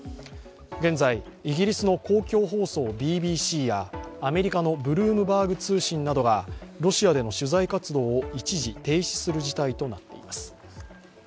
現在、イギリスの公共放送ＢＢＣやアメリカのブルームバーグ通信などがロシアでの取材活動を一時停止する事態となっています。